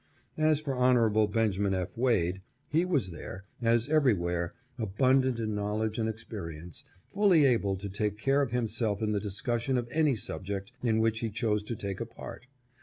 As for Hon. Benj. F. Wade, he was there, as everywhere, abundant in knowl edge and experience, fully able to take care of himself in the discussion of any subject in which he chose to take a part.